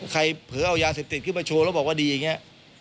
เผลอเอายาเสพติดขึ้นมาโชว์แล้วบอกว่าดีอย่างนี้